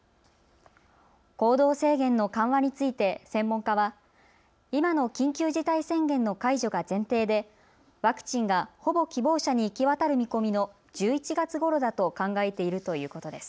行動制限の緩和について専門家は今の緊急事態宣言の解除が前提でワクチンがほぼ希望者に行き渡る見込みの１１月ごろだと考えているということです。